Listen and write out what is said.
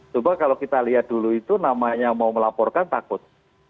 coba kalau kita lihat dulu itu namanya mau melaporkan takut